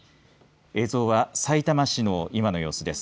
映像は、さいたま市の今の様子です。